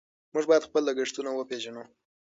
موږ باید خپل لګښتونه وپېژنو.